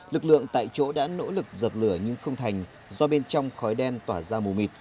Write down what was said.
lực lượng tại chỗ đã nỗ lực dập lửa nhưng không thành do bên trong khói đen tỏa ra mù mịt